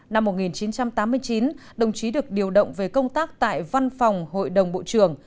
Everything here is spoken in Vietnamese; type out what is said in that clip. năm một nghìn chín trăm tám mươi chín đồng chí được điều động về công tác tại văn phòng hội đồng bộ trưởng